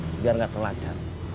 biar gak terlancar